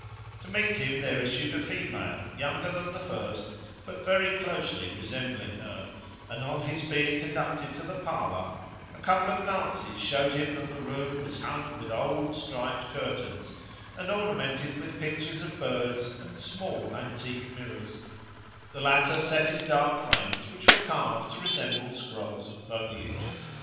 To meet him there issued a female younger than the first, but very closely resembling her; and on his being conducted to the parlour, a couple of glances showed him that the room was hung with old striped curtains, and ornamented with pictures of birds and small, antique mirrors the latter set in dark frames which were carved to resemble scrolls of foliage.